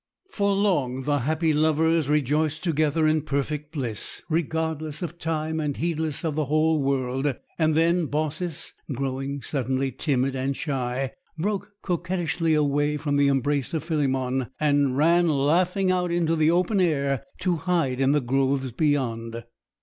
For long the happy lovers rejoiced together in perfect bliss, regardless of time and heedless of the whole world; and then Baucis, growing suddenly timid and shy, broke coquettishly away from the embrace of Philemon, and ran laughing out into the open air, to hide in the groves beyond.